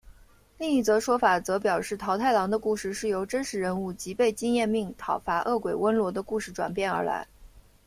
另一则说法则表示桃太郎的故事是由真实人物吉备津彦命讨伐恶鬼温罗的故事转变而来。